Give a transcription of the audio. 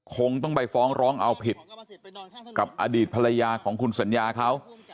คงต้องไปฟ้องร้องเอาผิดกับอดีตภรรยาของคุณสัญญาเขา